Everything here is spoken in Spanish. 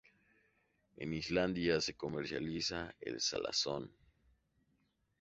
En Islandia se comercializa en salazón.